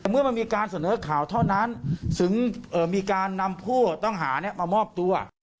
เมื่อมันมีการเสนอข่าวเท่านั้นถึงมีการนำผู้ต้องหามามอบตัว